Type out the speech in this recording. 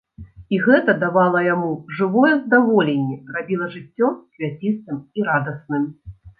І гэта давала яму жывое здаволенне, рабіла жыццё квяцістым і радасным.